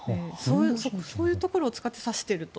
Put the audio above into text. そういうところを使って指していると。